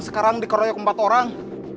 sekarang dikeroyok empat orang